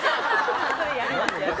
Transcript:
それやります。